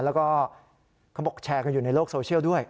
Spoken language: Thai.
แล้วก็เขาบอกแชร์กันอยู่ในโลกโซเชียลด้วย